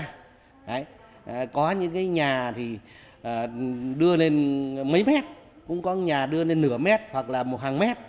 có những cái nhà thì đưa lên mấy mét cũng có nhà đưa lên nửa mét hoặc là một hàng mét